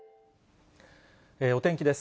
お天気です。